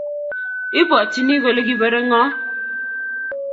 Ibwotyini kole kibore ngo?